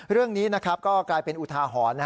เรื่องนี้ก็กลายเป็นอุทาหรณ์